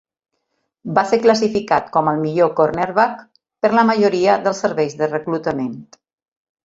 Va ser classificat com el millor cornerback per la majoria dels serveis de reclutament.